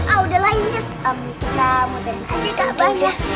ah udah lah kita moterin aja gak banyak